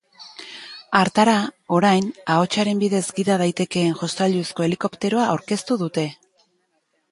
Hartara, orain, ahotsaren bidez gida daitekeen jostailuzko helikopteroa aurkeztu dute.